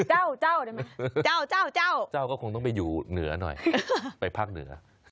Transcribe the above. หรือเจ้าเจ้าเจ้าก็คงต้องไปอยู่เหนือหน่อยไปพักเหนือ